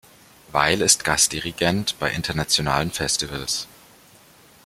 Weil ist Gastdirigent bei internationalen Festivals.